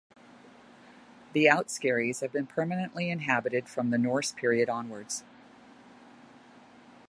The Out Skerries have been permanently inhabited from the Norse period onwards.